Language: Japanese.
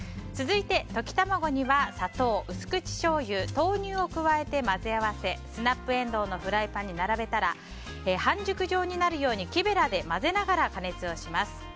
続いて溶き卵には砂糖、薄口しょうゆ豆乳を加えて混ぜ合わせスナップエンドウをフライパンに並べたら半熟状になるように木べらで混ぜながら加熱をします。